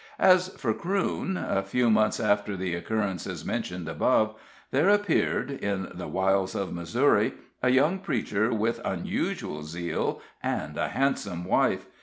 As for Crewne a few months after the occurrences mentioned above there appeared, in the wilds of Missouri, a young preacher with unusual zeal, and a handsome wife.